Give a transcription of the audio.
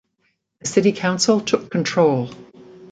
The City Council took control.